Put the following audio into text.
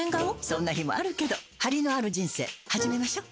そんな日もあるけどハリのある人生始めましょ。